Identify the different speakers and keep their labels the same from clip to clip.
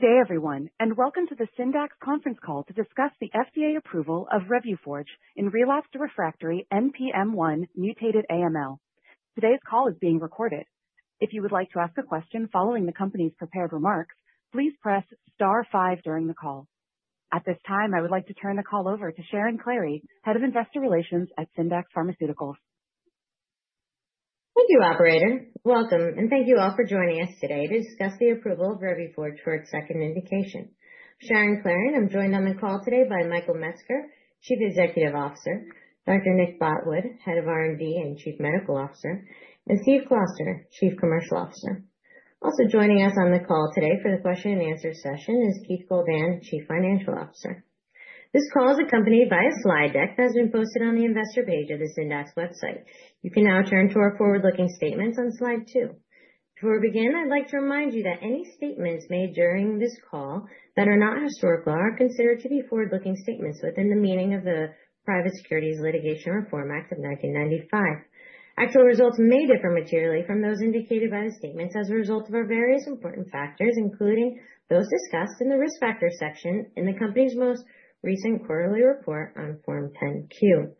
Speaker 1: Good day, everyone, and welcome to the Syndax Conference Call to discuss the FDA approval of Revuforj in relapsed/refractory NPM1-mutated AML. Today's call is being recorded. If you would like to ask a question following the company's prepared remarks, please press star five during the call. At this time, I would like to turn the call over to Sharon Klahre, Head of Investor Relations at Syndax Pharmaceuticals.
Speaker 2: Thank you, Operator. Welcome, and thank you all for joining us today to discuss the approval of Revuforj for its second indication. Sharon Klahre, I'm joined on the call today by Michael Metzger, Chief Executive Officer, Dr. Nick Botwood, Head of R&D and Chief Medical Officer, and Steve Closter, Chief Commercial Officer. Also joining us on the call today for the question-and-answer session is Keith Goldan, Chief Financial Officer. This call is accompanied by a slide deck that has been posted on the investor page of the Syndax website. You can now turn to our forward-looking statements on slide two. Before we begin, I'd like to remind you that any statements made during this call that are not historical are considered to be forward-looking statements within the meaning of the Private Securities Litigation Reform Act of 1995. Actual results may differ materially from those indicated by the statements as a result of our various important factors, including those discussed in the risk factor section in the company's most recent quarterly report on Form 10-Q,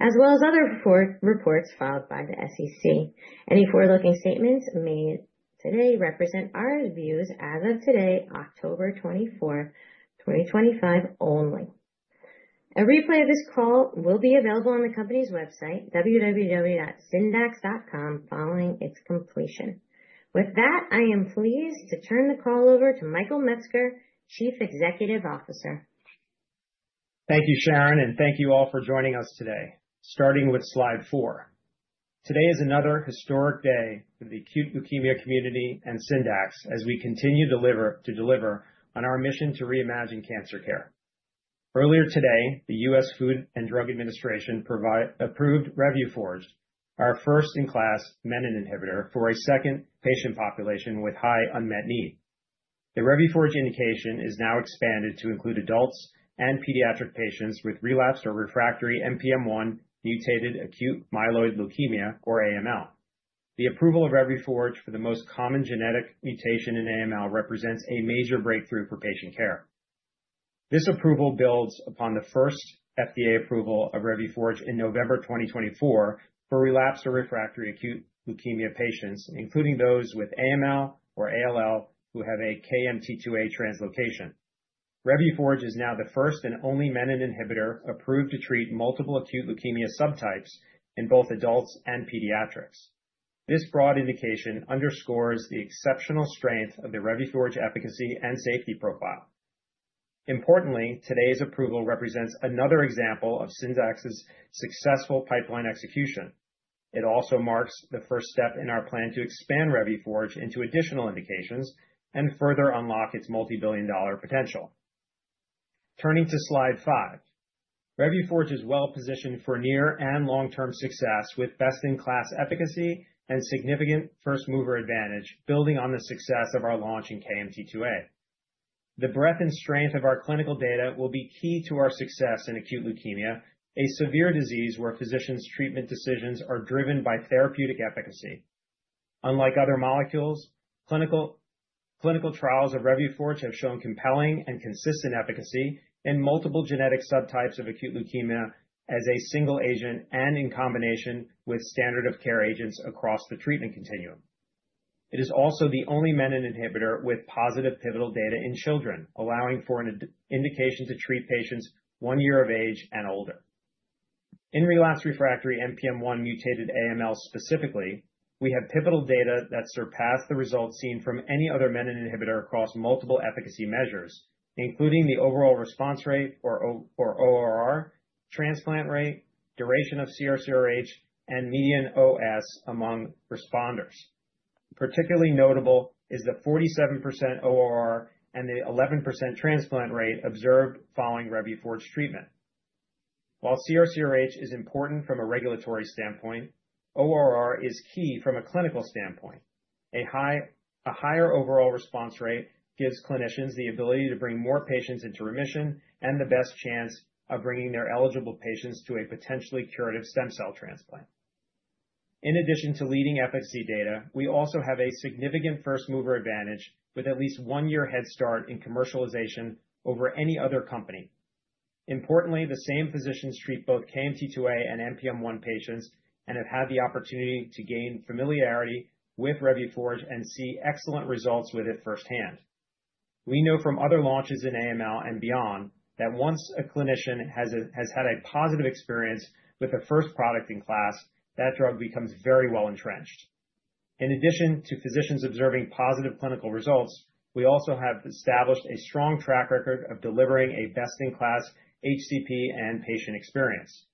Speaker 2: as well as other reports filed by the SEC. Any forward-looking statements made today represent our views as of today, October 24, 2025, only. A replay of this call will be available on the company's website, www.syndax.com, following its completion. With that, I am pleased to turn the call over to Michael Metzger, Chief Executive Officer.
Speaker 3: Thank you, Sharon, and thank you all for joining us today, starting with slide four. Today is another historic day for the acute leukemia community and Syndax as we continue to deliver on our mission to reimagine cancer care. Earlier today, the U.S. Food and Drug Administration approved Revuforj, our first-in-class menin inhibitor for a second patient population with high unmet need. The Revuforj indication is now expanded to include adults and pediatric patients with relapsed or refractory NPM1 mutated acute myeloid leukemia, or AML. The approval of Revuforj for the most common genetic mutation in AML represents a major breakthrough for patient care. This approval builds upon the first FDA approval of Revuforj in November 2024 for relapsed or refractory acute leukemia patients, including those with AML or ALL who have a KMT2A translocation. Revuforj is now the first and only menin inhibitor approved to treat multiple acute leukemia subtypes in both adults and pediatrics. This broad indication underscores the exceptional strength of the Revuforj efficacy and safety profile. Importantly, today's approval represents another example of Syndax's successful pipeline execution. It also marks the first step in our plan to expand Revuforj into additional indications and further unlock its multi-billion-dollar potential. Turning to slide five, Revuforj is well positioned for near and long-term success with best-in-class efficacy and significant first-mover advantage, building on the success of our launch in KMT2A. The breadth and strength of our clinical data will be key to our success in acute leukemia, a severe disease where physicians' treatment decisions are driven by therapeutic efficacy. Unlike other molecules, clinical trials of Revuforj have shown compelling and consistent efficacy in multiple genetic subtypes of acute leukemia as a single agent and in combination with standard of care agents across the treatment continuum. It is also the only menin inhibitor with positive pivotal data in children, allowing for an indication to treat patients one year of age and older. In relapsed/refractory NPM1-mutated AML specifically, we have pivotal data that surpass the results seen from any other menin inhibitor across multiple efficacy measures, including the overall response rate, or ORR, transplant rate, duration of CR/CRh, and median OS among responders. Particularly notable is the 47% ORR and the 11% transplant rate observed following Revuforj treatment. While CR/CRh is important from a regulatory standpoint, ORR is key from a clinical standpoint. A higher overall response rate gives clinicians the ability to bring more patients into remission and the best chance of bringing their eligible patients to a potentially curative stem cell transplant. In addition to leading efficacy data, we also have a significant first-mover advantage with at least one year head start in commercialization over any other company. Importantly, the same physicians treat both KMT2A and NPM1 patients and have had the opportunity to gain familiarity with Revuforj and see excellent results with it firsthand. We know from other launches in AML and beyond that once a clinician has had a positive experience with the first product in class, that drug becomes very well entrenched. In addition to physicians observing positive clinical results, we also have established a strong track record of delivering a best-in-class HCP and patient experience.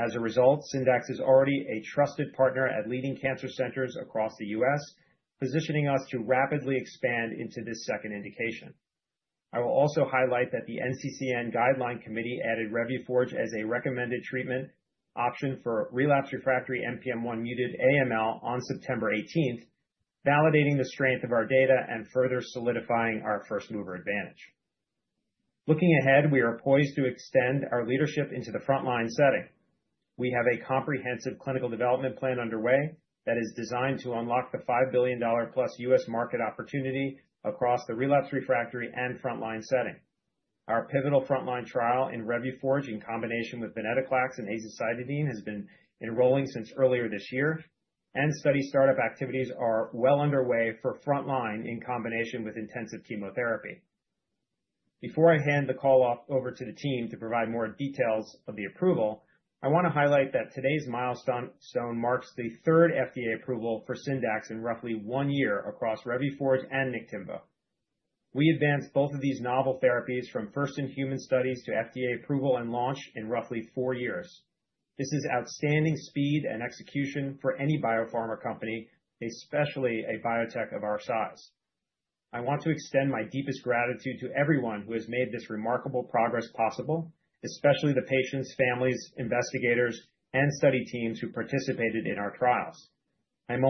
Speaker 3: As a result, Syndax is already a trusted partner at leading cancer centers across the U.S., positioning us to rapidly expand into this second indication. I will also highlight that the NCCN Guideline Committee added Revuforj as a recommended treatment option for relapsed refractory NPM1-mutated AML on September 18, validating the strength of our data and further solidifying our first-mover advantage. Looking ahead, we are poised to extend our leadership into the frontline setting. We have a comprehensive clinical development plan underway that is designed to unlock the $5 billion-plus U.S. market opportunity across the relapsed refractory and frontline setting. Our pivotal frontline trial in Revuforj, in combination with venetoclax and azacitidine, has been enrolling since earlier this year, and study startup activities are well underway for frontline in combination with intensive chemotherapy. Before I hand the call over to the team to provide more details of the approval, I want to highlight that today's milestone marks the third FDA approval for Syndax in roughly one year across Revuforj and Niktimvo. We advanced both of these novel therapies from first-in-human studies to FDA approval and launch in roughly four years. This is outstanding speed and execution for any biopharma company, especially a biotech of our size. I want to extend my deepest gratitude to everyone who has made this remarkable progress possible, especially the patients, families, investigators, and study teams who participated in our trials. I'm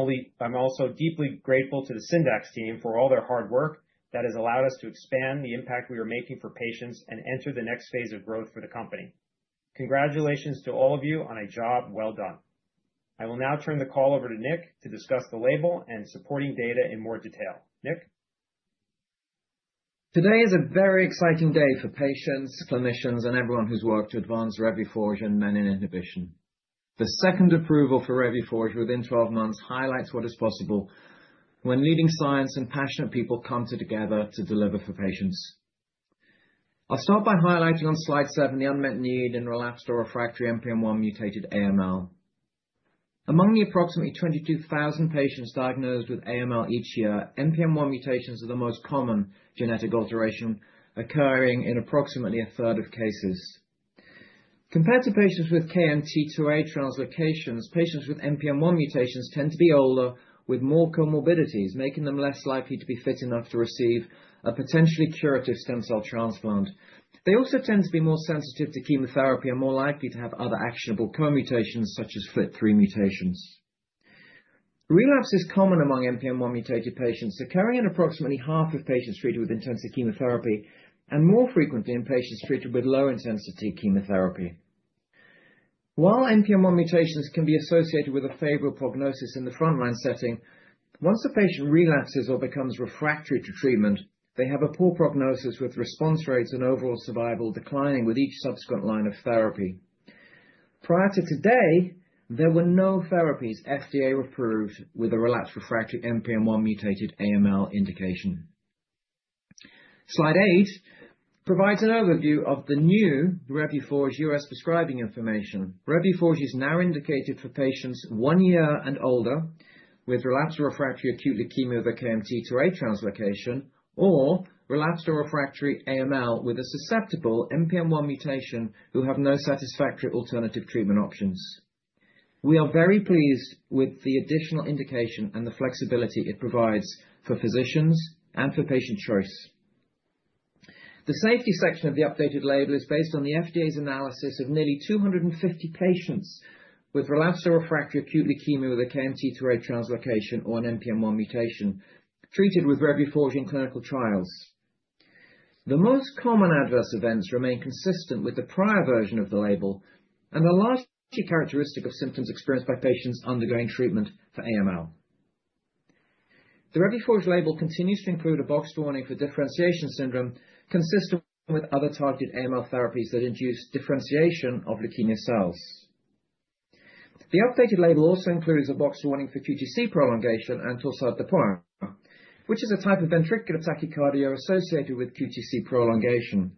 Speaker 3: also deeply grateful to the Syndax team for all their hard work that has allowed us to expand the impact we are making for patients and enter the next phase of growth for the company. Congratulations to all of you on a job well done. I will now turn the call over to Nick to discuss the label and supporting data in more detail. Nick?
Speaker 4: Today is a very exciting day for patients, clinicians, and everyone who's worked to advance Revuforj and menin inhibition. The second approval for Revuforj within 12 months highlights what is possible when leading science and passionate people come together to deliver for patients. I'll start by highlighting on slide 7 the unmet need in relapsed or refractory NPM1-mutated AML. Among the approximately 22,000 patients diagnosed with AML each year, NPM1 mutations are the most common genetic alteration occurring in approximately a third of cases. Compared to patients with KMT2A translocations, patients with NPM1 mutations tend to be older with more comorbidities, making them less likely to be fit enough to receive a potentially curative stem cell transplant. They also tend to be more sensitive to chemotherapy and more likely to have other actionable co-mutations, such as FLT3 mutations. Relapse is common among NPM1-mutated patients, occurring in approximately half of patients treated with intensive chemotherapy and more frequently in patients treated with low-intensity chemotherapy. While NPM1 mutations can be associated with a favorable prognosis in the frontline setting, once a patient relapses or becomes refractory to treatment, they have a poor prognosis with response rates and overall survival declining with each subsequent line of therapy. Prior to today, there were no therapies FDA approved with a relapsed refractory NPM1-mutated AML indication. Slide eight provides an overview of the new Revuforj U.S. prescribing information. Revuforj is now indicated for patients one year and older with relapsed or refractory acute leukemia of a KMT2A translocation or relapsed or refractory AML with a susceptible NPM1 mutation who have no satisfactory alternative treatment options. We are very pleased with the additional indication and the flexibility it provides for physicians and for patient choice. The safety section of the updated label is based on the FDA's analysis of nearly 250 patients with relapsed or refractory acute leukemia with a KMT2A translocation or an NPM1 mutation treated with Revuforj in clinical trials. The most common adverse events remain consistent with the prior version of the label and are largely characteristic of symptoms experienced by patients undergoing treatment for AML. The Revuforj label continues to include a boxed warning for differentiation syndrome consistent with other targeted AML therapies that induce differentiation of leukemia cells. The updated label also includes a boxed warning for QTc prolongation and Torsades de Pointes, which is a type of ventricular tachycardia associated with QTc prolongation.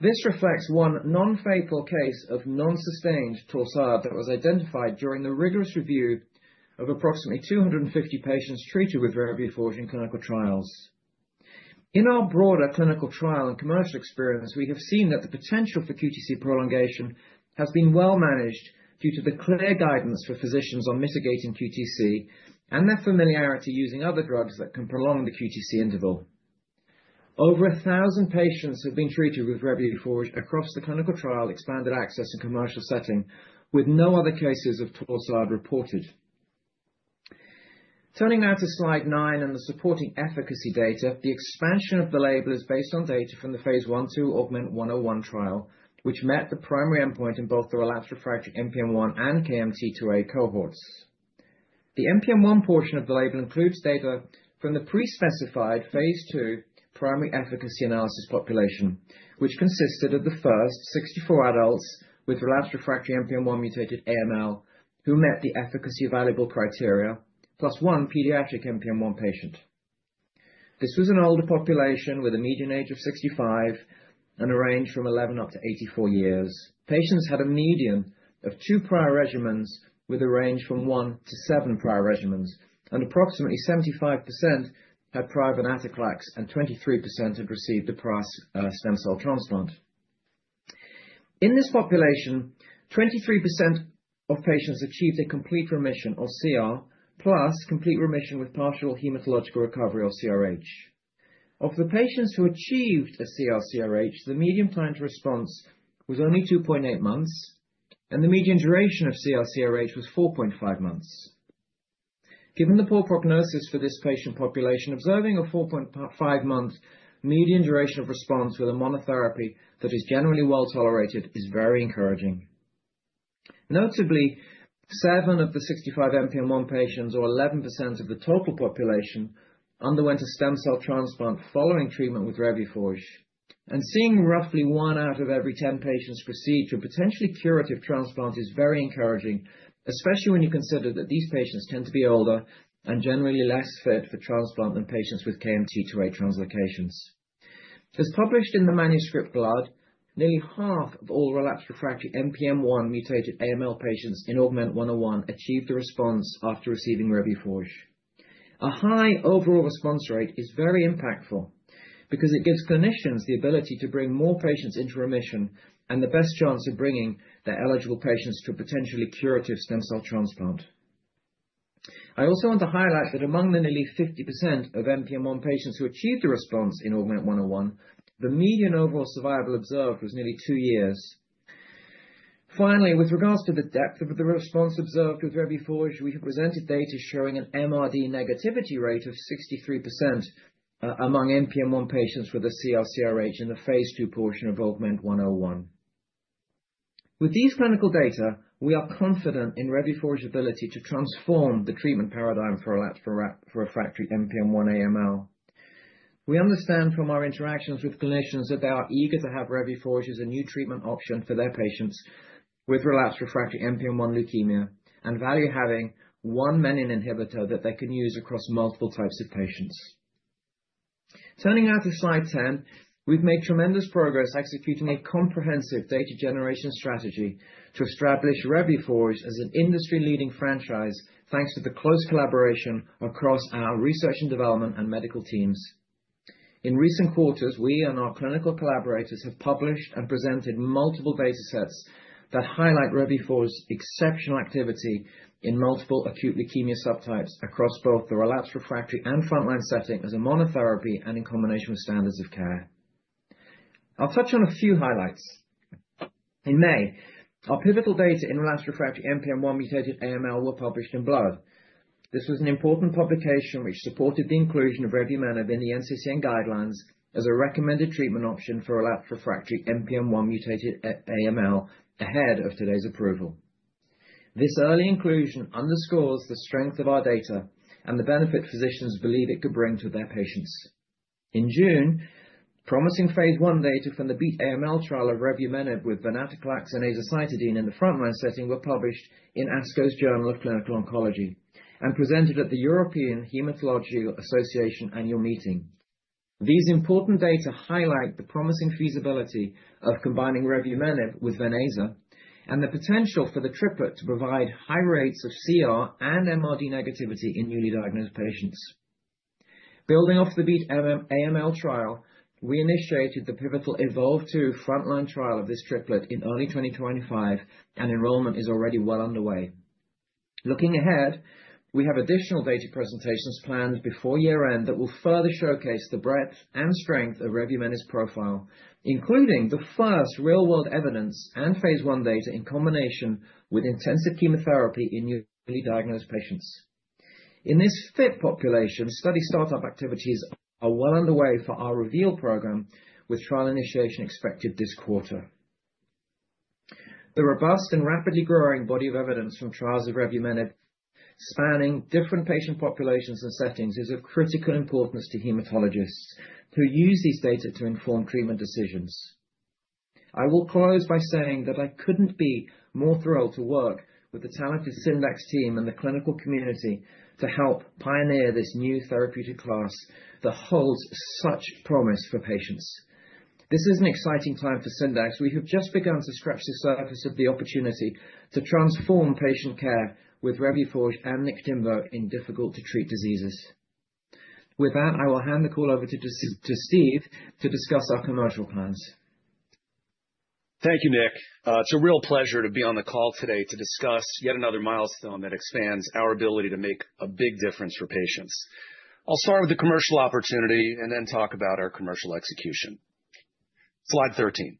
Speaker 4: This reflects one non-fatal case of non-sustained torsade that was identified during the rigorous review of approximately 250 patients treated with Revuforj in clinical trials. In our broader clinical trial and commercial experience, we have seen that the potential for QTc prolongation has been well managed due to the clear guidance for physicians on mitigating QTc and their familiarity using other drugs that can prolong the QTc interval. Over 1,000 patients have been treated with Revuforj across the clinical trial, expanded access, and commercial setting, with no other cases of torsade reported. Turning now to slide nine and the supporting efficacy data, the expansion of the label is based on data from the phase 1/2 AUGMENT-101 trial, which met the primary endpoint in both the relapsed/refractory NPM1 and KMT2A cohorts. The NPM1 portion of the label includes data from the pre-specified phase 2 primary efficacy analysis population, which consisted of the first 64 adults with relapsed/refractory NPM1-mutated AML who met the efficacy-evaluable criteria, plus one pediatric NPM1 patient. This was an older population with a median age of 65 and a range from 11 up to 84 years. Patients had a median of two prior regimens with a range from one to seven prior regimens, and approximately 75% had prior venetoclax and 23% had received a prior stem cell transplant. In this population, 23% of patients achieved a complete remission or CR, plus complete remission with partial hematologic recovery or CRh. Of the patients who achieved a CR/CRh, the median time to response was only 2.8 months, and the median duration of CR/CRh was 4.5 months. Given the poor prognosis for this patient population, observing a 4.5-month median duration of response with a monotherapy that is generally well tolerated is very encouraging. Notably, seven of the 65 NPM1 patients, or 11% of the total population, underwent a stem cell transplant following treatment with Revuforj. And seeing roughly one out of every 10 patients proceed to a potentially curative transplant is very encouraging, especially when you consider that these patients tend to be older and generally less fit for transplant than patients with KMT2A translocations. As published in the manuscript Blood, nearly half of all relapsed/refractory NPM1 mutated AML patients in AUGMENT-101 achieved a response after receiving Revuforj. A high overall response rate is very impactful because it gives clinicians the ability to bring more patients into remission and the best chance of bringing their eligible patients to a potentially curative stem cell transplant. I also want to highlight that among the nearly 50% of NPM1 patients who achieved a response in AUGMENT-101, the median overall survival observed was nearly two years. Finally, with regards to the depth of the response observed with Revuforj, we have presented data showing an MRD negativity rate of 63% among NPM1 patients with a CR/CRh in the phase two portion of AUGMENT-101. With these clinical data, we are confident in Revuforj's ability to transform the treatment paradigm for relapsed/refractory NPM1 AML. We understand from our interactions with clinicians that they are eager to have Revuforj as a new treatment option for their patients with relapsed/refractory NPM1 leukemia and value having one menin inhibitor that they can use across multiple types of patients. Turning now to slide 10, we've made tremendous progress executing a comprehensive data generation strategy to establish Revuforj as an industry-leading franchise, thanks to the close collaboration across our research and development and medical teams. In recent quarters, we and our clinical collaborators have published and presented multiple data sets that highlight Revuforj's exceptional activity in multiple acute leukemia subtypes across both the relapsed/refractory and frontline setting as a monotherapy and in combination with standards of care. I'll touch on a few highlights. In May, our pivotal data in relapsed/refractory NPM1-mutated AML were published in Blood. This was an important publication which supported the inclusion of revumenib in the NCCN Guidelines as a recommended treatment option for relapsed/refractory NPM1-mutated AML ahead of today's approval. This early inclusion underscores the strength of our data and the benefit physicians believe it could bring to their patients. In June, promising phase 1 data from the BEAT AML trial of revumenib with venetoclax and azacitidine in the frontline setting were published in ASCO's Journal of Clinical Oncology and presented at the European Hematology Association annual meeting. These important data highlight the promising feasibility of combining revumenib with venetoclax and the potential for the triplet to provide high rates of CR and MRD negativity in newly diagnosed patients. Building off the BEAT AML trial, we initiated the pivotal EVOLVE-2 frontline trial of this triplet in early 2025, and enrollment is already well underway. Looking ahead, we have additional data presentations planned before year-end that will further showcase the breadth and strength of revumenib's profile, including the first real-world evidence and phase 1 data in combination with intensive chemotherapy in newly diagnosed patients. In this fit population, study startup activities are well underway for our REVEAL program, with trial initiation expected this quarter. The robust and rapidly growing body of evidence from trials of revumenib spanning different patient populations and settings is of critical importance to hematologists who use these data to inform treatment decisions. I will close by saying that I couldn't be more thrilled to work with the talented Syndax team and the clinical community to help pioneer this new therapeutic class that holds such promise for patients. This is an exciting time for Syndax. We have just begun to scratch the surface of the opportunity to transform patient care with Revuforj and Niktimvo in difficult-to-treat diseases. With that, I will hand the call over to Steve to discuss our commercial plans.
Speaker 5: Thank you, Nick. It's a real pleasure to be on the call today to discuss yet another milestone that expands our ability to make a big difference for patients. I'll start with the commercial opportunity and then talk about our commercial execution. Slide 13.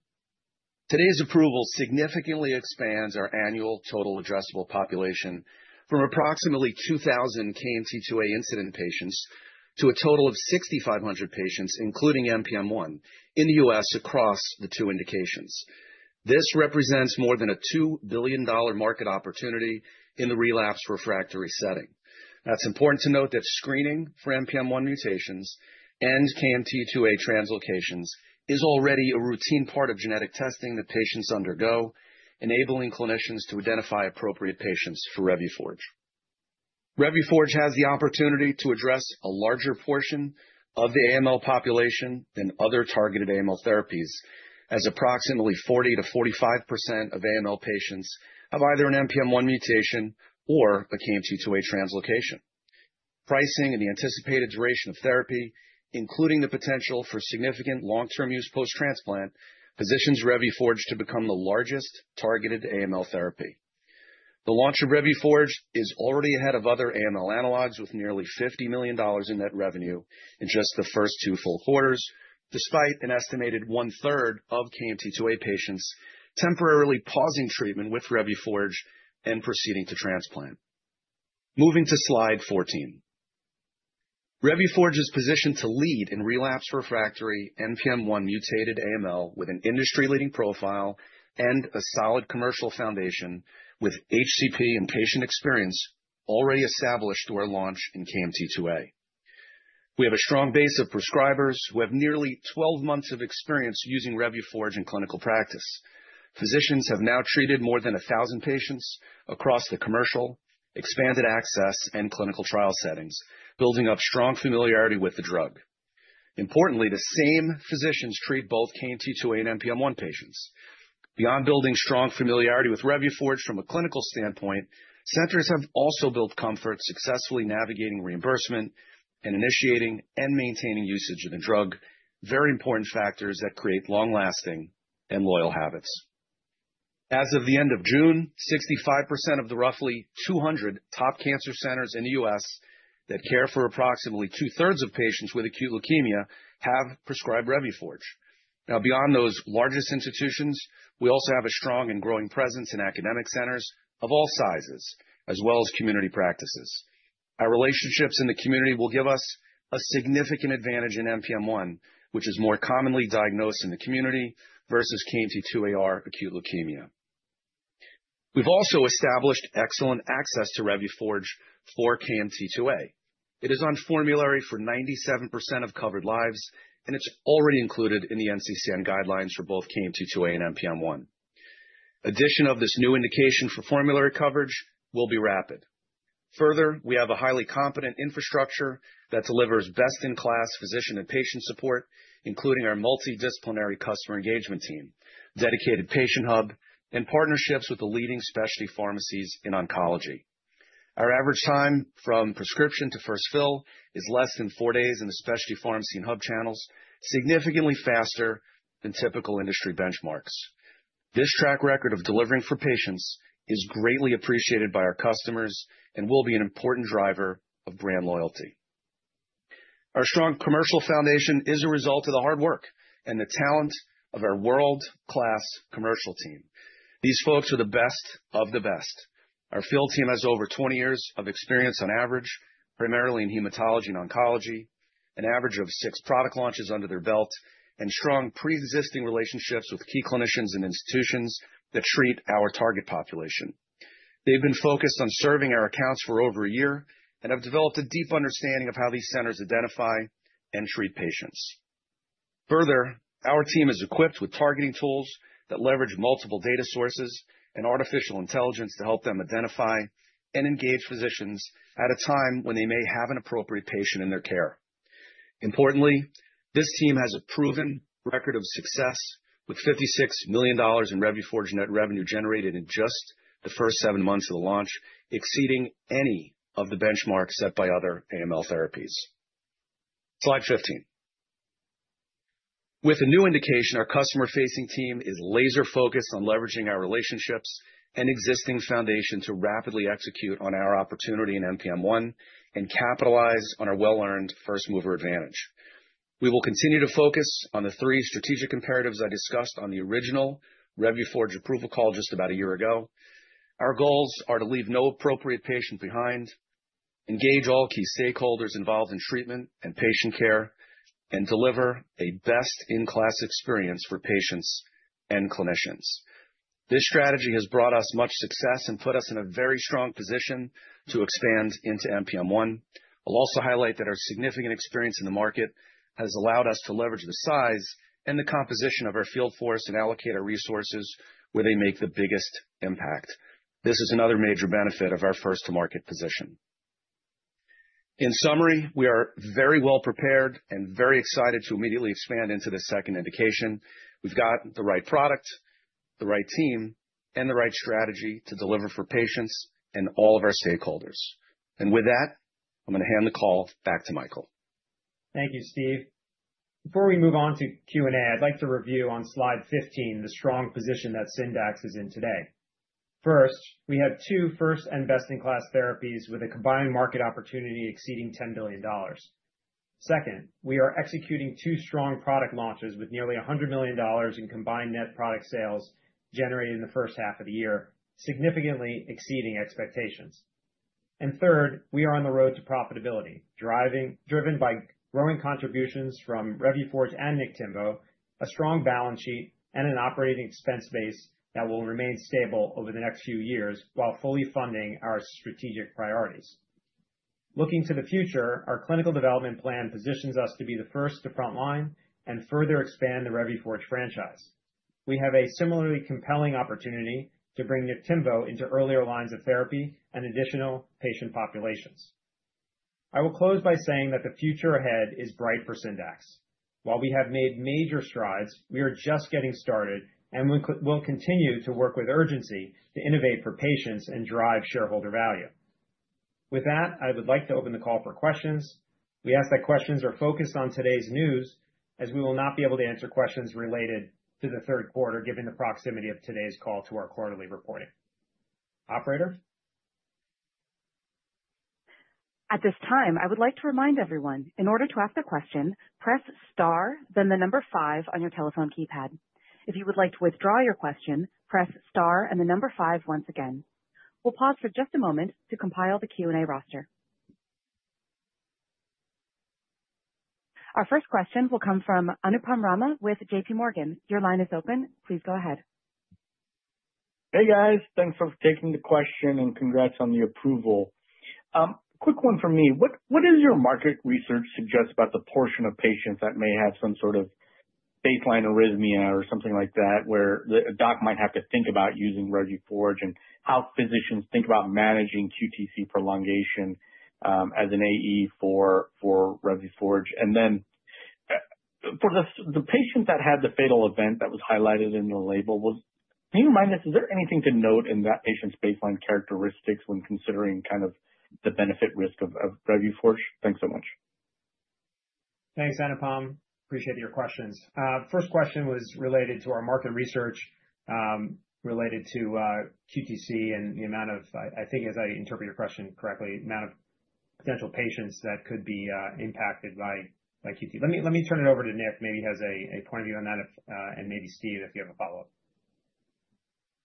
Speaker 5: Today's approval significantly expands our annual total addressable population from approximately 2,000 KMT2A incident patients to a total of 6,500 patients, including NPM1, in the U.S. across the two indications. This represents more than a $2 billion market opportunity in the relapsed/refractory setting. That's important to note that screening for NPM1 mutations and KMT2A translocations is already a routine part of genetic testing that patients undergo, enabling clinicians to identify appropriate patients for Revuforj. Revuforj has the opportunity to address a larger portion of the AML population than other targeted AML therapies, as approximately 40%-45% of AML patients have either an NPM1 mutation or a KMT2A translocation. Pricing and the anticipated duration of therapy, including the potential for significant long-term use post-transplant, positions Revuforj to become the largest targeted AML therapy. The launch of Revuforj is already ahead of other AML analogues with nearly $50 million in net revenue in just the first two full quarters, despite an estimated one-third of KMT2A patients temporarily pausing treatment with Revuforj and proceeding to transplant. Moving to slide 14. Revuforj is positioned to lead in relapsed/refractory NPM1 mutated AML with an industry-leading profile and a solid commercial foundation with HCP and patient experience already established to our launch in KMT2A. We have a strong base of prescribers who have nearly 12 months of experience using Revuforj in clinical practice. Physicians have now treated more than 1,000 patients across the commercial, expanded access, and clinical trial settings, building up strong familiarity with the drug. Importantly, the same physicians treat both KMT2A and NPM1 patients. Beyond building strong familiarity with Revuforj from a clinical standpoint, centers have also built comfort successfully navigating reimbursement and initiating and maintaining usage of the drug, very important factors that create long-lasting and loyal habits. As of the end of June, 65% of the roughly 200 top cancer centers in the U.S. that care for approximately two-thirds of patients with acute leukemia have prescribed Revuforj. Now, beyond those largest institutions, we also have a strong and growing presence in academic centers of all sizes, as well as community practices. Our relationships in the community will give us a significant advantage in NPM1, which is more commonly diagnosed in the community versus KMT2Ar acute leukemia. We've also established excellent access to Revuforj for KMT2A. It is on formulary for 97% of covered lives, and it's already included in the NCCN Guidelines for both KMT2A and NPM1. Addition of this new indication for formulary coverage will be rapid. Further, we have a highly competent infrastructure that delivers best-in-class physician and patient support, including our multidisciplinary customer engagement team, dedicated patient hub, and partnerships with the leading specialty pharmacies in oncology. Our average time from prescription to first fill is less than four days in the specialty pharmacy and hub channels, significantly faster than typical industry benchmarks. This track record of delivering for patients is greatly appreciated by our customers and will be an important driver of brand loyalty. Our strong commercial foundation is a result of the hard work and the talent of our world-class commercial team. These folks are the best of the best. Our field team has over 20 years of experience on average, primarily in hematology and oncology, an average of six product launches under their belt, and strong pre-existing relationships with key clinicians and institutions that treat our target population. They've been focused on serving our accounts for over a year and have developed a deep understanding of how these centers identify and treat patients. Further, our team is equipped with targeting tools that leverage multiple data sources and artificial intelligence to help them identify and engage physicians at a time when they may have an appropriate patient in their care. Importantly, this team has a proven record of success with $56 million in Revuforj net revenue generated in just the first seven months of the launch, exceeding any of the benchmarks set by other AML therapies. Slide 15. With a new indication, our customer-facing team is laser-focused on leveraging our relationships and existing foundation to rapidly execute on our opportunity in NPM1 and capitalize on our well-earned first-mover advantage. We will continue to focus on the three strategic imperatives I discussed on the original Revuforj approval call just about a year ago. Our goals are to leave no appropriate patient behind, engage all key stakeholders involved in treatment and patient care, and deliver a best-in-class experience for patients and clinicians. This strategy has brought us much success and put us in a very strong position to expand into NPM1. I'll also highlight that our significant experience in the market has allowed us to leverage the size and the composition of our field force and allocate our resources where they make the biggest impact. This is another major benefit of our first-to-market position. In summary, we are very well prepared and very excited to immediately expand into the second indication. We've got the right product, the right team, and the right strategy to deliver for patients and all of our stakeholders. And with that, I'm going to hand the call back to Michael.
Speaker 3: Thank you, Steve. Before we move on to Q&A, I'd like to review on slide 15 the strong position that Syndax is in today. First, we have two first and best-in-class therapies with a combined market opportunity exceeding $10 billion. Second, we are executing two strong product launches with nearly $100 million in combined net product sales generated in the first half of the year, significantly exceeding expectations. And third, we are on the road to profitability, driven by growing contributions from Revuforj and Niktimvo, a strong balance sheet, and an operating expense base that will remain stable over the next few years while fully funding our strategic priorities. Looking to the future, our clinical development plan positions us to be the first to frontline and further expand the Revuforj franchise. We have a similarly compelling opportunity to bring Niktimvo into earlier lines of therapy and additional patient populations. I will close by saying that the future ahead is bright for Syndax. While we have made major strides, we are just getting started, and we'll continue to work with urgency to innovate for patients and drive shareholder value. With that, I would like to open the call for questions. We ask that questions are focused on today's news, as we will not be able to answer questions related to the third quarter, given the proximity of today's call to our quarterly reporting. Operator.
Speaker 1: At this time, I would like to remind everyone, in order to ask a question, press star, then the number five on your telephone keypad. If you would like to withdraw your question, press star and the number five once again. We'll pause for just a moment to compile the Q&A roster. Our first question will come from Anupam Rama with JPMorgan. Your line is open. Please go ahead.
Speaker 6: Hey, guys. Thanks for taking the question and congrats on the approval. Quick one from me. What does your market research suggest about the portion of patients that may have some sort of baseline arrhythmia or something like that where the doc might have to think about using Revuforj and how physicians think about managing QTc prolongation as an AE for Revuforj? And then for the patient that had the fatal event that was highlighted in the label, can you remind us, is there anything to note in that patient's baseline characteristics when considering kind of the benefit-risk of Revuforj? Thanks so much.
Speaker 3: Thanks, Anupam. Appreciate your questions. First question was related to our market research related to QTc and the amount of, I think, as I interpret your question correctly, the amount of potential patients that could be impacted by QTc. Let me turn it over to Nick. Maybe he has a point of view on that, and maybe Steve, if you have a follow-up.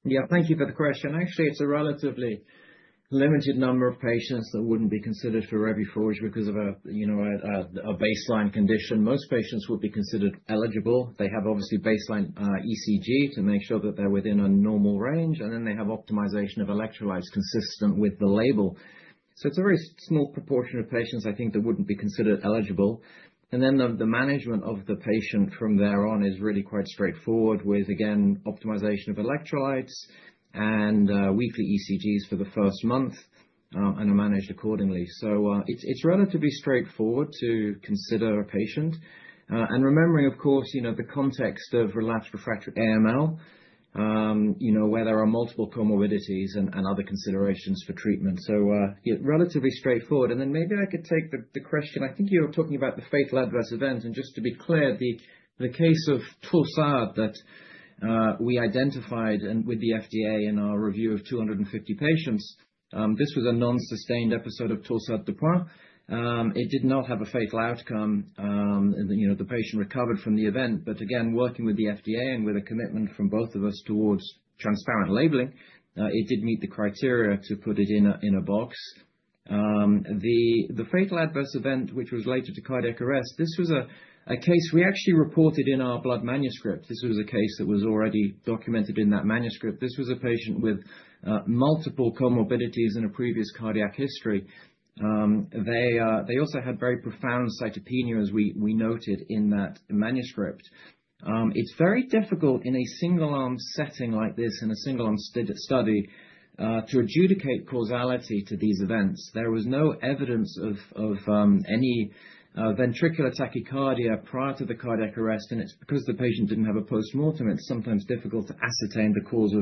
Speaker 4: Yeah, thank you for the question. Actually, it's a relatively limited number of patients that wouldn't be considered for Revuforj because of a baseline condition. Most patients would be considered eligible. They have obviously baseline ECG to make sure that they're within a normal range, and then they have optimization of electrolytes consistent with the label. So it's a very small proportion of patients, I think, that wouldn't be considered eligible. And then the management of the patient from there on is really quite straightforward with, again, optimization of electrolytes and weekly ECGs for the first month, and are managed accordingly. So it's relatively straightforward to consider a patient. And remembering, of course, the context of relapsed refractory AML, where there are multiple comorbidities and other considerations for treatment. So relatively straightforward. And then maybe I could take the question. I think you were talking about the fatal adverse event. And just to be clear, the case of Torsades that we identified with the FDA in our review of 250 patients, this was a non-sustained episode of Torsades de Pointes. It did not have a fatal outcome. The patient recovered from the event. But again, working with the FDA and with a commitment from both of us towards transparent labeling, it did meet the criteria to put it in a box. The fatal adverse event, which was related to cardiac arrest, this was a case we actually reported in our Blood manuscript. This was a patient with multiple comorbidities and a previous cardiac history. They also had very profound cytopenias, we noted in that manuscript. It's very difficult in a single-arm setting like this in a single-arm study to adjudicate causality to these events. There was no evidence of any ventricular tachycardia prior to the cardiac arrest. And it's because the patient didn't have a postmortem, it's sometimes difficult to ascertain the cause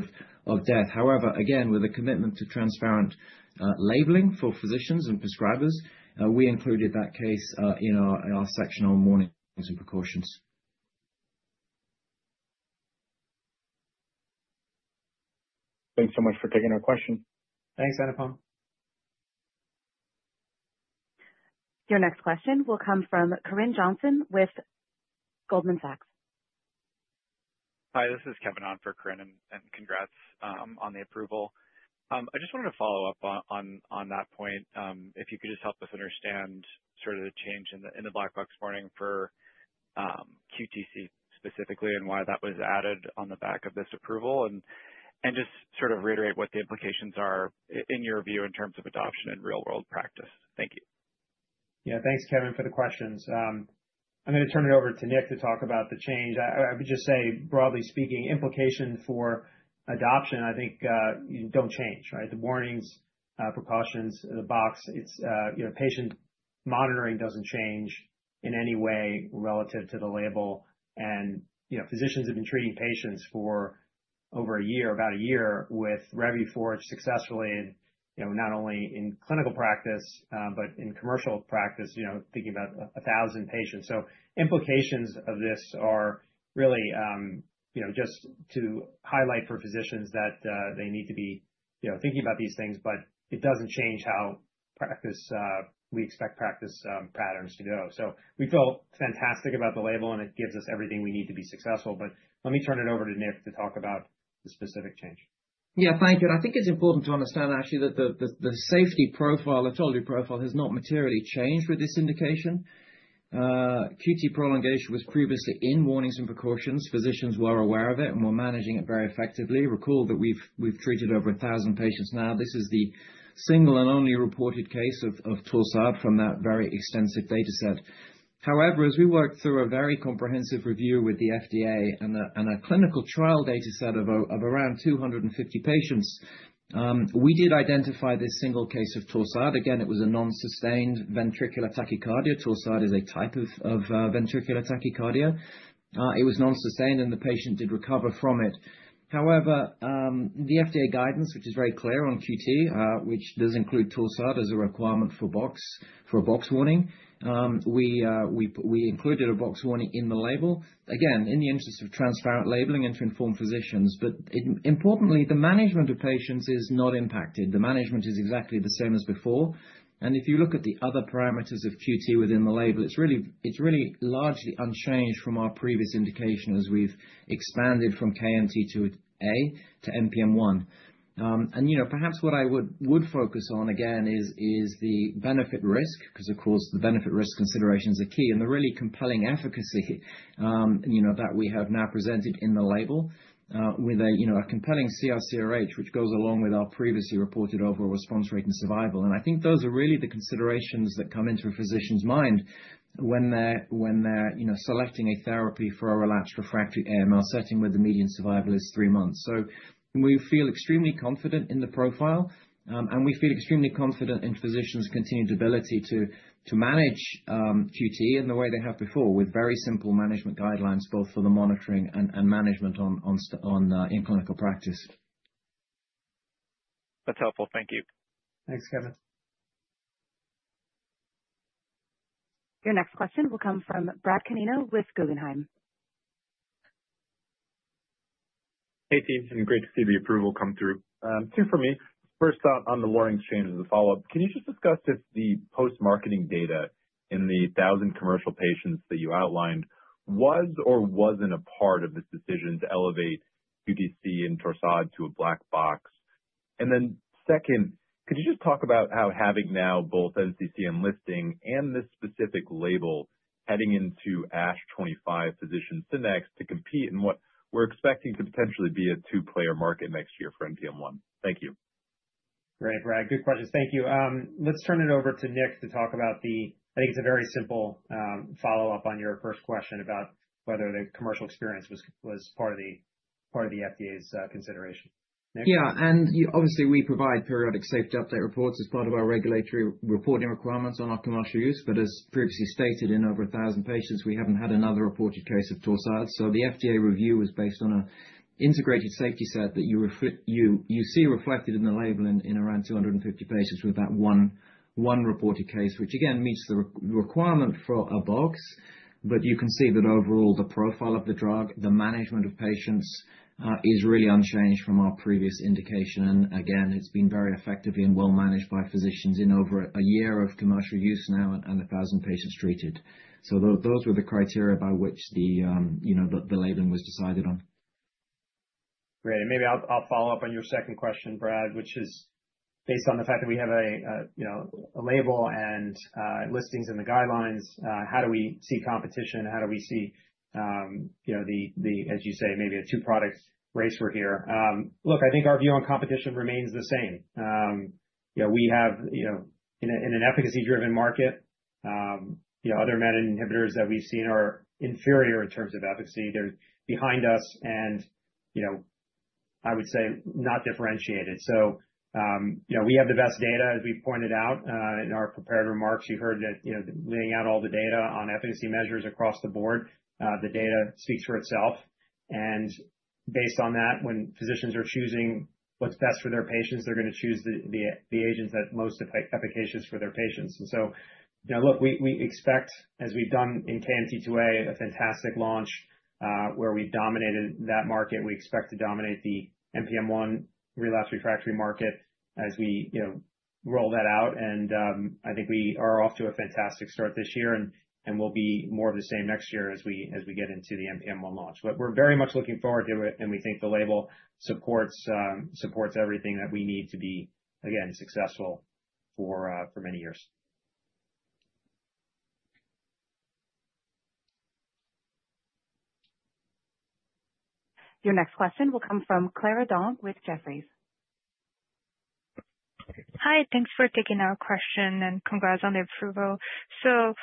Speaker 4: of death. However, again, with a commitment to transparent labeling for physicians and prescribers, we included that case in our section on warnings and precautions.
Speaker 6: Thanks so much for taking our question. Thanks, Anupam.
Speaker 1: Your next question will come from Corinne Johnson with Goldman Sachs. Hi, this is Kevin On for Corinne, and congrats on the approval. I just wanted to follow up on that point. If you could just help us understand sort of the change in the black box warning for QTc specifically and why that was added on the back of this approval, and just sort of reiterate what the implications are in your view in terms of adoption in real-world practice? Thank you.
Speaker 3: Yeah, thanks, Kevin, for the questions. I'm going to turn it over to Nick to talk about the change. I would just say, broadly speaking, implications for adoption, I think don't change, right? The warnings, precautions, the box, patient monitoring doesn't change in any way relative to the label, and physicians have been treating patients for over a year, about a year, with Revuforj successfully, not only in clinical practice, but in commercial practice, thinking about 1,000 patients, so implications of this are really just to highlight for physicians that they need to be thinking about these things, but it doesn't change how we expect practice patterns to go, so we feel fantastic about the label, and it gives us everything we need to be successful, but let me turn it over to Nick to talk about the specific change.
Speaker 4: Yeah, thank you. And I think it's important to understand, actually, that the safety profile, the totality profile, has not materially changed with this indication. QT prolongation was previously in warnings and precautions. Physicians were aware of it and were managing it very effectively. Recall that we've treated over 1,000 patients now. This is the single and only reported case of Torsades from that very extensive data set. However, as we worked through a very comprehensive review with the FDA and a clinical trial data set of around 250 patients, we did identify this single case of Torsades. Again, it was a non-sustained ventricular tachycardia. Torsades is a type of ventricular tachycardia. It was non-sustained, and the patient did recover from it. However, the FDA guidance, which is very clear on QT, which does include Torsades as a requirement for a boxed warning, we included a boxed warning in the label, again, in the interest of transparent labeling and to inform physicians, but importantly, the management of patients is not impacted. The management is exactly the same as before, and if you look at the other parameters of QT within the label, it's really largely unchanged from our previous indication as we've expanded from KMT2A to NPM1, and perhaps what I would focus on again is the benefit-risk, because, of course, the benefit-risk considerations are key, and the really compelling efficacy that we have now presented in the label with a compelling CR/CRh, which goes along with our previously reported overall response rate and survival. And I think those are really the considerations that come into a physician's mind when they're selecting a therapy for a relapsed refractory AML setting where the median survival is three months. So we feel extremely confident in the profile, and we feel extremely confident in physicians' continued ability to manage QT in the way they have before with very simple management guidelines, both for the monitoring and management in clinical practice. That's helpful. Thank you.
Speaker 3: Thanks, Kevin.
Speaker 1: Your next question will come from Bradley Canino with Guggenheim.
Speaker 7: Hey, Steve. And great to see the approval come through. Two for me. First, on the warnings change as a follow-up, can you just discuss if the post-marketing data in the 1,000 commercial patients that you outlined was or wasn't a part of this decision to elevate QTc and Torsades to a black box? And then second, could you just talk about how having now both NCCN listing and this specific label heading into ASH-25 positions Syndax to compete in what we're expecting to potentially be a two-player market next year for NPM1? Thank you.
Speaker 3: Great, Brad. Good questions. Thank you. Let's turn it over to Nick to talk about the, I think it's a very simple follow-up on your first question about whether the commercial experience was part of the FDA's consideration.
Speaker 4: Yeah. And obviously, we provide periodic safety update reports as part of our regulatory reporting requirements on our commercial use. But as previously stated, in over 1,000 patients, we haven't had another reported case of Torsades. So the FDA review was based on an integrated safety set that you see reflected in the label in around 250 patients with that one reported case, which, again, meets the requirement for a box. But you can see that overall, the profile of the drug, the management of patients is really unchanged from our previous indication. And again, it's been very effectively and well managed by physicians in over a year of commercial use now and 1,000 patients treated. So those were the criteria by which the labeling was decided on.
Speaker 3: Great. And maybe I'll follow up on your second question, Brad, which is based on the fact that we have a label and listings in the guidelines. How do we see competition? How do we see the, as you say, maybe a two-product race we're here? Look, I think our view on competition remains the same. We have, in an efficacy-driven market, other menin inhibitors that we've seen are inferior in terms of efficacy. They're behind us and, I would say, not differentiated. So we have the best data, as we pointed out in our prepared remarks. You heard that laying out all the data on efficacy measures across the board, the data speaks for itself. And based on that, when physicians are choosing what's best for their patients, they're going to choose the agents that are most efficacious for their patients. And so, look, we expect, as we've done in KMT2A, a fantastic launch where we've dominated that market. We expect to dominate the NPM1 relapsed refractory market as we roll that out. And I think we are off to a fantastic start this year, and we'll be more of the same next year as we get into the NPM1 launch. But we're very much looking forward to it, and we think the label supports everything that we need to be, again, successful for many years.
Speaker 1: Your next question will come from Clara Dong with Jefferies.
Speaker 8: Hi. Thanks for taking our question, and congrats on the approval. So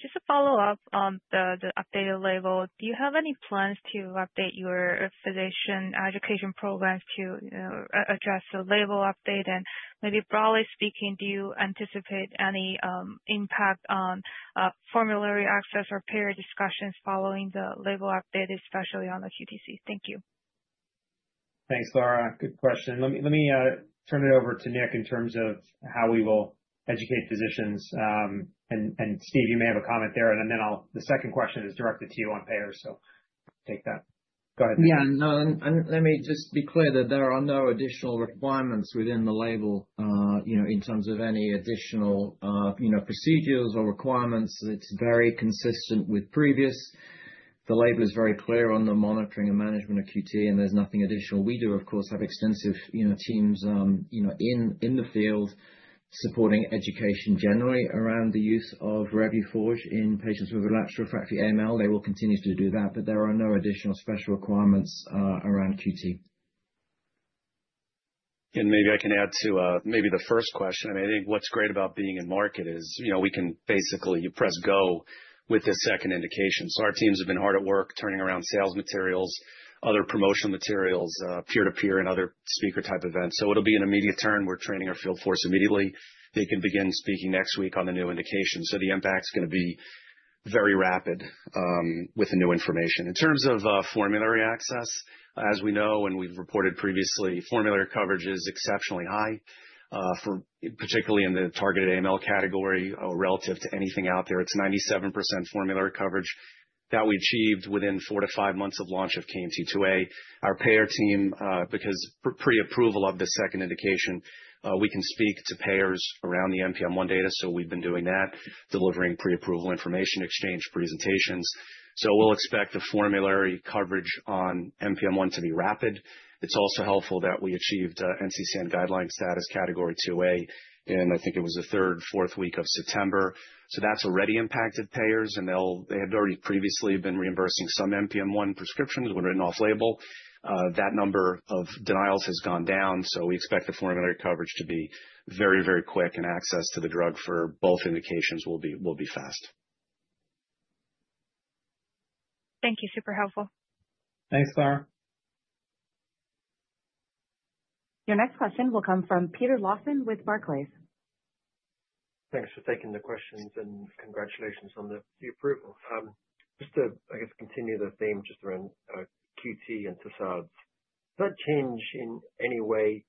Speaker 8: just to follow up on the updated label, do you have any plans to update your physician education programs to address the label update? And maybe broadly speaking, do you anticipate any impact on formulary access or peer discussions following the label update, especially on the QTc? Thank you.
Speaker 3: Thanks, Clara. Good question. Let me turn it over to Nick in terms of how we will educate physicians. And Steve, you may have a comment there. And then the second question is directed to you on payers, so take that. Go ahead, Nick.
Speaker 4: Yeah. And let me just be clear that there are no additional requirements within the label in terms of any additional procedures or requirements. It's very consistent with previous. The label is very clear on the monitoring and management of QT, and there's nothing additional. We do, of course, have extensive teams in the field supporting education generally around the use of Revuforj in patients with relapsed/refractory AML. They will continue to do that, but there are no additional special requirements around QT.
Speaker 5: And maybe I can add to maybe the first question. I mean, I think what's great about being in market is we can basically press go with this second indication. So our teams have been hard at work turning around sales materials, other promotional materials, peer-to-peer, and other speaker-type events. So it'll be an immediate turn. We're training our field force immediately. They can begin speaking next week on the new indication. So the impact's going to be very rapid with the new information. In terms of formulary access, as we know, and we've reported previously, formulary coverage is exceptionally high, particularly in the targeted AML category relative to anything out there. It's 97% formulary coverage that we achieved within four-to-five months of launch of KMT2A. Our payer team, because pre-approval of the second indication, we can speak to payers around the NPM1 data. So we've been doing that, delivering pre-approval information exchange presentations. So we'll expect the formulary coverage on NPM1 to be rapid. It's also helpful that we achieved NCCN guideline status category 2A, and I think it was the third, fourth week of September. So that's already impacted payers, and they had already previously been reimbursing some NPM1 prescriptions when written off label. That number of denials has gone down. So we expect the formulary coverage to be very, very quick, and access to the drug for both indications will be fast.
Speaker 8: Thank you. Super helpful.
Speaker 3: Thanks, Clara.
Speaker 1: Your next question will come from Peter Lawson with Barclays.
Speaker 9: Thanks for taking the questions, and congratulations on the approval. Just to, I guess, continue the theme just around QT and torsades. Does that change in any way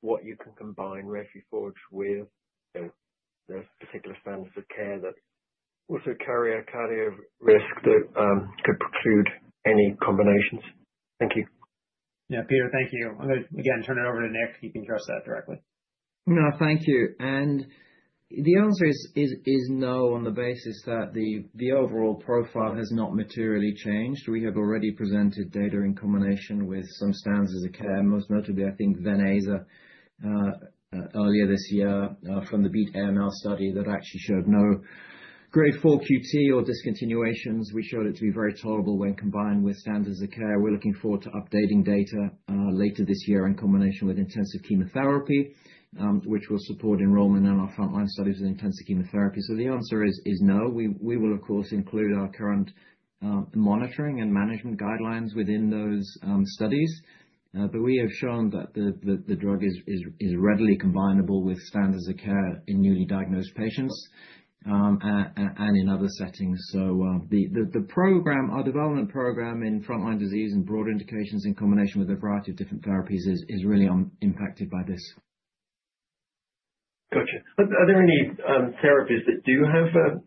Speaker 9: what you can combine Revuforj with? The particular standards of care that also carry a cardiac risk that could preclude any combinations? Thank you.
Speaker 3: Yeah, Peter, thank you. I'm going to, again, turn it over to Nick. You can address that directly.
Speaker 4: No, thank you. And the answer is no on the basis that the overall profile has not materially changed. We have already presented data in combination with some standards of care, most notably, I think, venetoclax earlier this year from the BEAT AML study that actually showed no grade 4 QT or discontinuations. We showed it to be very tolerable when combined with standards of care. We're looking forward to updating data later this year in combination with intensive chemotherapy, which will support enrollment in our frontline studies with intensive chemotherapy. So the answer is no. We will, of course, include our current monitoring and management guidelines within those studies. But we have shown that the drug is readily combinable with standards of care in newly diagnosed patients and in other settings. The program, our development program in frontline disease and broader indications in combination with a variety of different therapies is really impacted by this.
Speaker 9: Gotcha. Are there any therapies that do have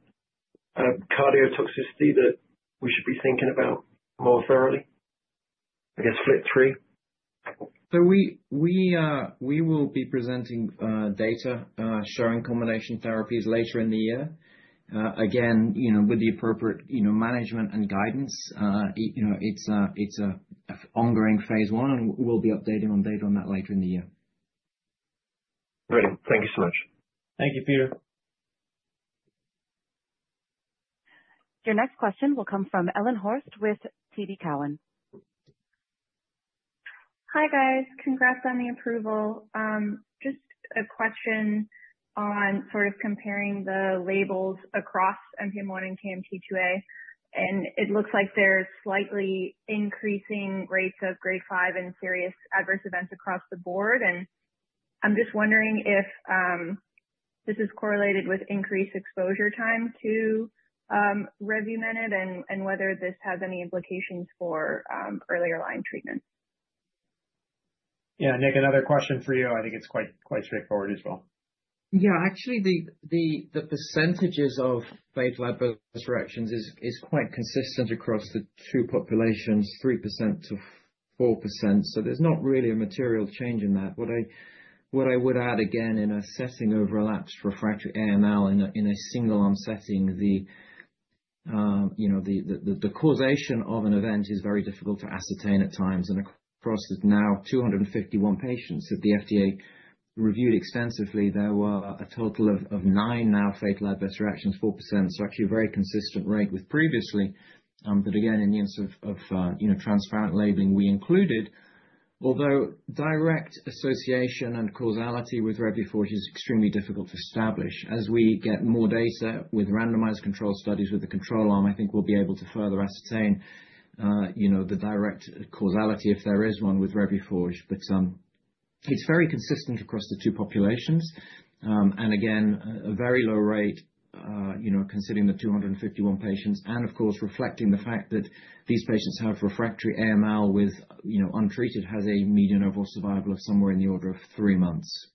Speaker 9: cardio toxicity that we should be thinking about more thoroughly? I guess, FLT3?
Speaker 4: We will be presenting data showing combination therapies later in the year. Again, with the appropriate management and guidance, it's an ongoing phase one, and we'll be updating on data on that later in the year.
Speaker 9: Great. Thank you so much.
Speaker 3: Thank you, Peter.
Speaker 1: Your next question will come from Ellen Horste with TD Cowen.
Speaker 10: Hi, guys. Congrats on the approval. Just a question on sort of comparing the labels across NPM1 and KMT2A. And it looks like there's slightly increasing rates of grade 5 and serious adverse events across the board. And I'm just wondering if this is correlated with increased exposure time to Revuforj and whether this has any implications for earlier line treatment.
Speaker 3: Yeah. Nick, another question for you. I think it's quite straightforward as well.
Speaker 4: Yeah. Actually, the percentages of platelet-adverse reactions is quite consistent across the two populations, 3%-4%. So there's not really a material change in that. What I would add, again, in assessing relapsed/refractory AML in a single-arm setting, the causation of an event is very difficult to ascertain at times. And across now 251 patients that the FDA reviewed extensively, there were a total of nine, now platelet-adverse reactions, 4%. So actually a very consistent rate with previously. But again, in the interest of transparent labeling, we included, although direct association and causality with Revuforj is extremely difficult to establish. As we get more data with randomized control studies with the control arm, I think we'll be able to further ascertain the direct causality if there is one with Revuforj. But it's very consistent across the two populations. And again, a very low rate considering the 251 patients. And of course, reflecting the fact that these patients have refractory AML with untreated has a median overall survival of somewhere in the order of three months.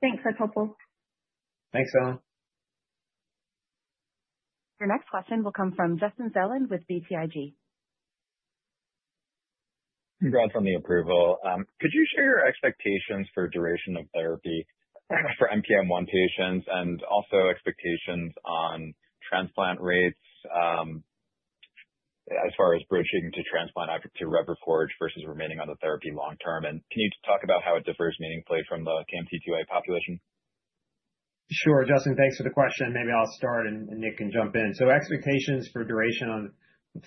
Speaker 10: Thanks. That's helpful.
Speaker 3: Thanks, Ellen.
Speaker 1: Your next question will come from Justin Zelin with BTIG.
Speaker 11: Brad, from the approval. Could you share your expectations for duration of therapy for NPM1 patients and also expectations on transplant rates as far as bridging to transplant after to Revuforj versus remaining on the therapy long term? And can you just talk about how it differs meaningfully from the KMT2A population?
Speaker 3: Sure, Justin. Thanks for the question. Maybe I'll start, and Nick can jump in. So expectations for duration on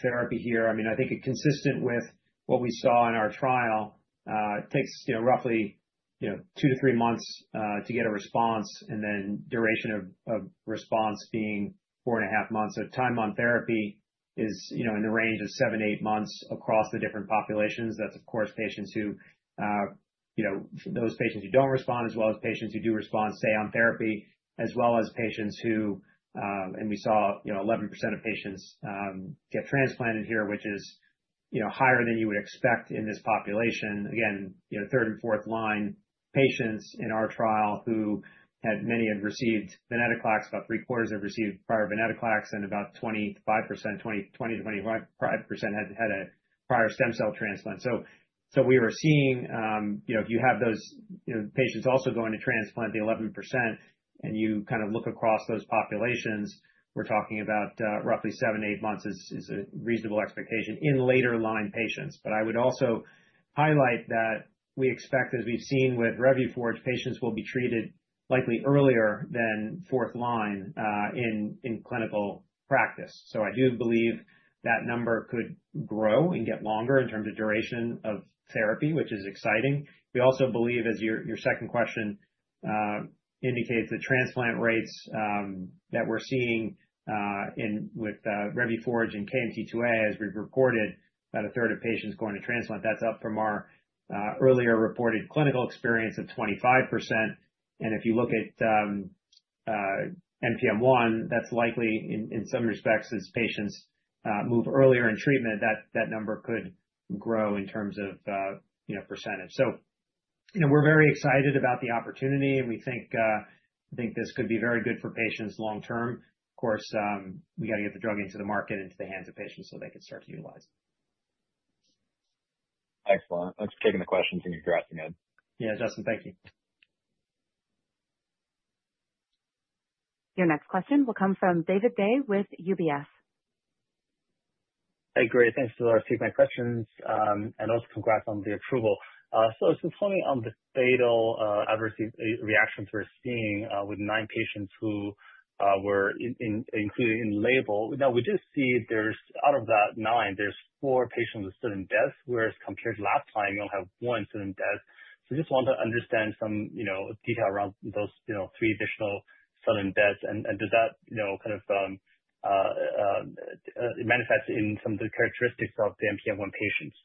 Speaker 3: therapy here, I mean, I think it's consistent with what we saw in our trial. It takes roughly two to three months to get a response, and then duration of response being four and a half months. So time on therapy is in the range of seven, eight months across the different populations. That's, of course, patients who don't respond as well as patients who do respond, stay on therapy, as well as patients and we saw 11% of patients get transplanted here, which is higher than you would expect in this population. Again, third and fourth line patients in our trial, many have received venetoclax, about three-quarters have received prior venetoclax, and about 25%, 20%-25% had a prior stem cell transplant. So we were seeing if you have those patients also going to transplant, the 11%, and you kind of look across those populations, we're talking about roughly seven, eight months is a reasonable expectation in later line patients. But I would also highlight that we expect, as we've seen with Revuforj, patients will be treated likely earlier than fourth line in clinical practice. So I do believe that number could grow and get longer in terms of duration of therapy, which is exciting. We also believe, as your second question indicates, the transplant rates that we're seeing with Revuforj and KMT2A, as we've reported, about a third of patients going to transplant. That's up from our earlier reported clinical experience of 25%. And if you look at NPM1, that's likely in some respects, as patients move earlier in treatment, that number could grow in terms of percentage. So we're very excited about the opportunity, and we think this could be very good for patients long term. Of course, we got to get the drug into the market and into the hands of patients so they can start to utilize it.
Speaker 11: Excellent. Thanks for taking the questions and congrats again.
Speaker 3: Yeah, Justin, thank you.
Speaker 1: Your next question will come from David Dai with UBS.
Speaker 12: Hey, great. Thanks for taking my questions. And also congrats on the approval. So it's telling me on the fatal adverse reactions we're seeing with nine patients who were included in label. Now, we just see there's out of that nine, there's four patients with sudden deaths, whereas compared to last time, you only have one sudden death. So I just want to understand some detail around those three additional sudden deaths. And does that kind of manifest in some of the characteristics of the NPM1 patients?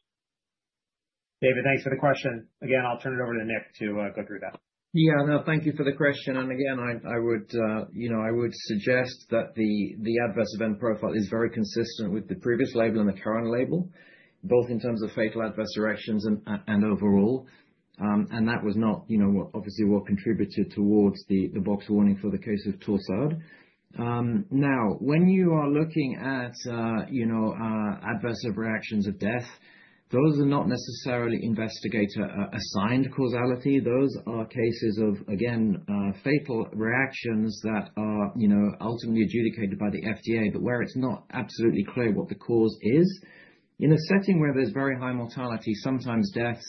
Speaker 3: David, thanks for the question. Again, I'll turn it over to Nick to go through that.
Speaker 4: Yeah. No, thank you for the question. And again, I would suggest that the adverse event profile is very consistent with the previous label and the current label, both in terms of fatal adverse reactions and overall. And that was not obviously what contributed towards the boxed warning for the case of Torsades. Now, when you are looking at adverse reactions of death, those are not necessarily investigator-assigned causality. Those are cases of, again, fatal reactions that are ultimately adjudicated by the FDA, but where it's not absolutely clear what the cause is. In a setting where there's very high mortality, sometimes deaths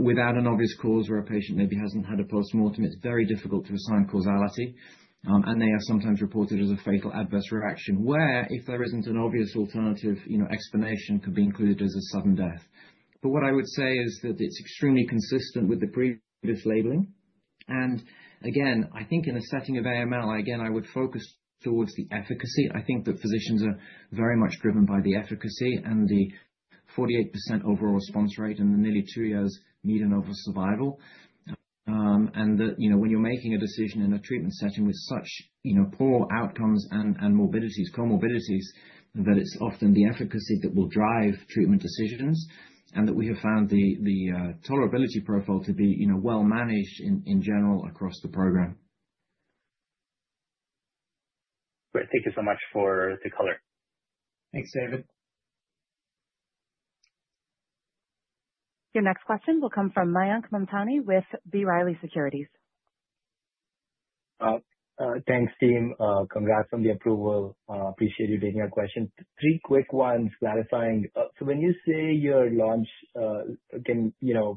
Speaker 4: without an obvious cause where a patient maybe hasn't had a postmortem, it's very difficult to assign causality. And they are sometimes reported as a fatal adverse reaction where, if there isn't an obvious alternative explanation, it could be included as a sudden death. But what I would say is that it's extremely consistent with the previous labeling. And again, I think in a setting of AML, again, I would focus towards the efficacy. I think that physicians are very much driven by the efficacy and the 48% overall response rate and the nearly two years median overall survival. And that when you're making a decision in a treatment setting with such poor outcomes and comorbidities, that it's often the efficacy that will drive treatment decisions and that we have found the tolerability profile to be well managed in general across the program.
Speaker 12: Great. Thank you so much for the color.
Speaker 3: Thanks, David.
Speaker 1: Your next question will come from Mayank Mamtani with B. Riley Securities.
Speaker 13: Thanks, team. Congrats on the approval. Appreciate you taking our question. Three quick ones clarifying. So when you say your launch can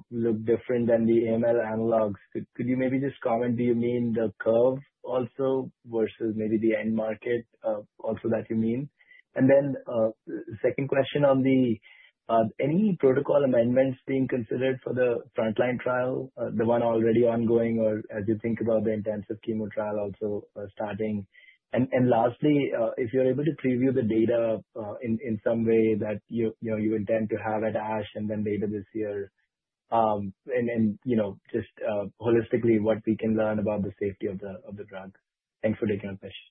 Speaker 13: look different than the AML analogs, could you maybe just comment? Do you mean the curve also versus maybe the end market also that you mean? And then second question on any protocol amendments being considered for the frontline trial, the one already ongoing, or as you think about the intensive chemo trial also starting? And lastly, if you're able to preview the data in some way that you intend to have at ASH and then later this year, and just holistically, what we can learn about the safety of the drug. Thanks for taking our question.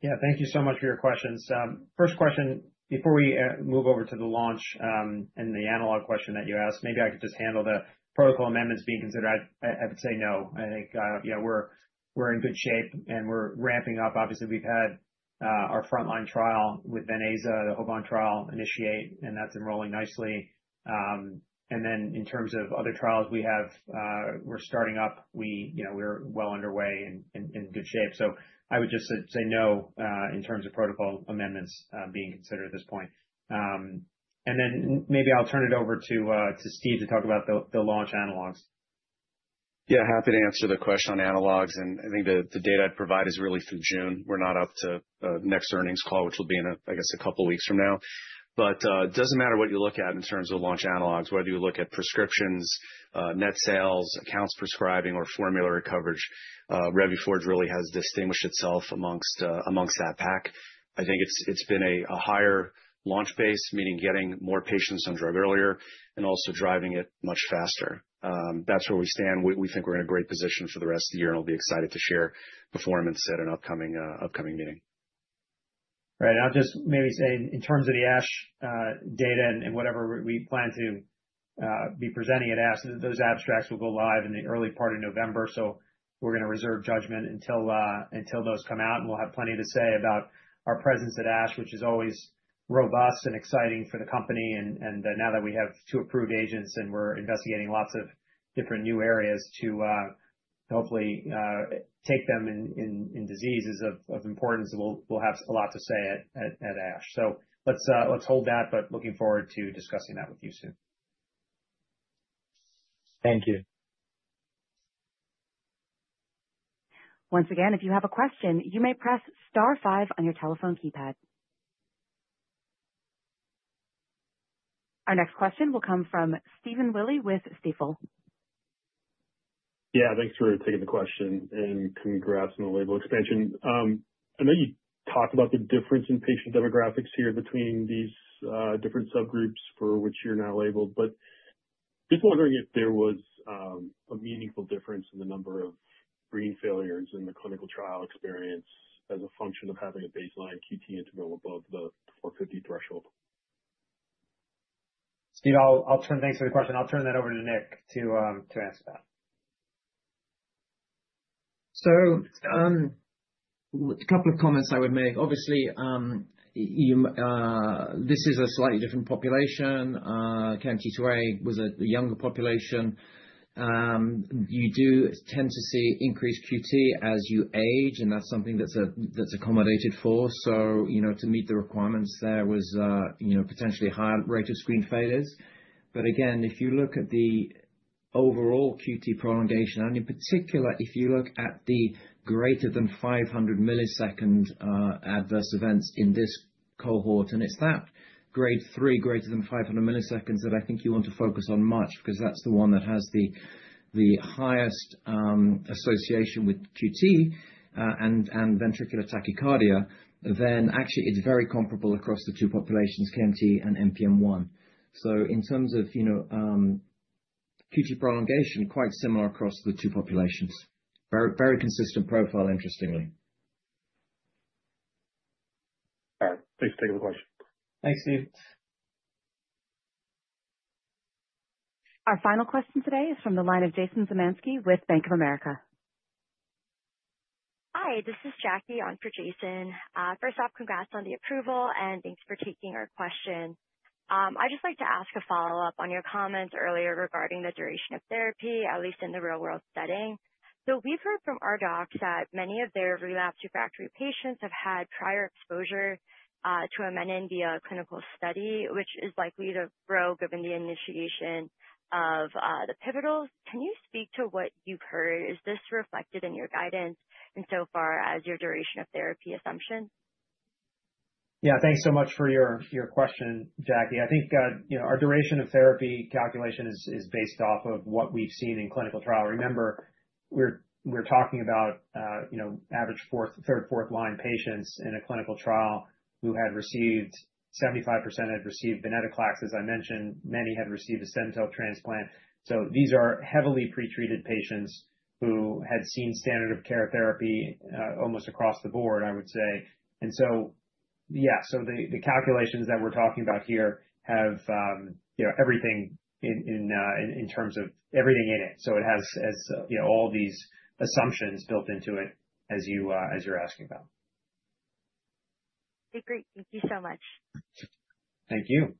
Speaker 3: Yeah. Thank you so much for your questions. First question, before we move over to the launch and the analog question that you asked, maybe I could just handle the protocol amendments being considered. I would say no. I think we're in good shape, and we're ramping up. Obviously, we've had our frontline trial with venetoclax, the HOVON trial initiate, and that's enrolling nicely, and then in terms of other trials we have, we're starting up. We're well underway and in good shape, so I would just say no in terms of protocol amendments being considered at this point, and then maybe I'll turn it over to Steve to talk about the launch analogs.
Speaker 5: Yeah, happy to answer the question on analogs. And I think the data I'd provide is really through June. We're not up to next earnings call, which will be in, I guess, a couple of weeks from now. But it doesn't matter what you look at in terms of launch analogs, whether you look at prescriptions, net sales, accounts prescribing, or formulary coverage, Revuforj really has distinguished itself amongst that pack. I think it's been a higher launch base, meaning getting more patients on drug earlier and also driving it much faster. That's where we stand. We think we're in a great position for the rest of the year, and I'll be excited to share performance at an upcoming meeting.
Speaker 3: Right. I'll just maybe say in terms of the ASH data and whatever we plan to be presenting at ASH, those abstracts will go live in the early part of November, so we're going to reserve judgment until those come out, and we'll have plenty to say about our presence at ASH, which is always robust and exciting for the company, and now that we have two approved agents and we're investigating lots of different new areas to hopefully take them in diseases of importance, we'll have a lot to say at ASH, so let's hold that, but looking forward to discussing that with you soon.
Speaker 13: Thank you.
Speaker 1: Once again, if you have a question, you may press star five on your telephone keypad. Our next question will come from Stephen Willey with Stifel.
Speaker 14: Yeah. Thanks for taking the question and congrats on the label expansion. I know you talked about the difference in patient demographics here between these different subgroups for which you're now labeled, but just wondering if there was a meaningful difference in the number of screen failures in the clinical trial experience as a function of having a baseline QT interval above the 450 threshold.
Speaker 3: Steve, thanks for the question. I'll turn that over to Nick to answer that.
Speaker 4: So a couple of comments I would make. Obviously, this is a slightly different population. KMT2A was a younger population. You do tend to see increased QT as you age, and that's something that's accommodated for. So to meet the requirements, there was potentially a higher rate of screen failures. But again, if you look at the overall QT prolongation, and in particular, if you look at the greater than 500 millisecond adverse events in this cohort, and it's that grade three, greater than 500 milliseconds that I think you want to focus on much because that's the one that has the highest association with QT and ventricular tachycardia, then actually it's very comparable across the two populations, KMT and NPM1. So in terms of QT prolongation, quite similar across the two populations. Very consistent profile, interestingly.
Speaker 14: All right. Thanks for taking the question.
Speaker 3: Thanks, Steve.
Speaker 1: Our final question today is from the line of Jason Zemansky with Bank of America. Hi, this is Jackie on for Jason. First off, congrats on the approval, and thanks for taking our question. I'd just like to ask a follow-up on your comments earlier regarding the duration of therapy, at least in the real-world setting. So we've heard from our docs that many of their relapse refractory patients have had prior exposure to a menin via a clinical study, which is likely to grow given the initiation of the pivotal. Can you speak to what you've heard? Is this reflected in your guidance insofar as your duration of therapy assumption?
Speaker 3: Yeah. Thanks so much for your question, Jackie. I think our duration of therapy calculation is based off of what we've seen in clinical trial. Remember, we're talking about average third, fourth line patients in a clinical trial who had received 75% had received venetoclax, as I mentioned. Many had received a stem cell transplant. So these are heavily pretreated patients who had seen standard of care therapy almost across the board, I would say. And so, yeah, so the calculations that we're talking about here have everything in terms of everything in it. So it has all these assumptions built into it as you're asking about. Okay. Great. Thank you so much. Thank you.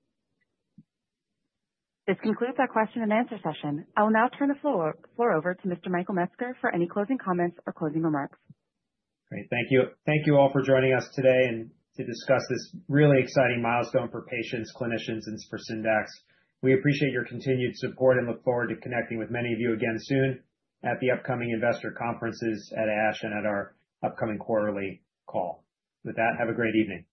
Speaker 1: This concludes our question and answer session. I'll now turn the floor over to Mr. Michael Metzger for any closing comments or closing remarks.
Speaker 3: Great. Thank you. Thank you all for joining us today and to discuss this really exciting milestone for patients, clinicians, and for Syndax. We appreciate your continued support and look forward to connecting with many of you again soon at the upcoming investor conferences at ASH and at our upcoming quarterly call. With that, have a great evening.